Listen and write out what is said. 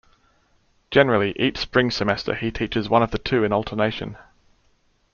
Generally, each spring semester he teaches one of the two in alternation.